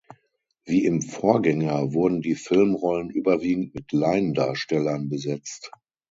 Wie im Vorgänger wurden die Filmrollen überwiegend mit Laiendarstellern besetzt.